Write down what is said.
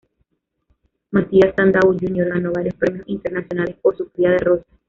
Mathias Tantau júnior ganó varios premios internacionales por su cría de rosa.